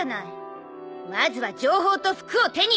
まずは情報と服を手に入れるの。